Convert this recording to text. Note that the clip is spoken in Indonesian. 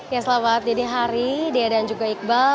ya selamat ini hari dia dan juga iqbal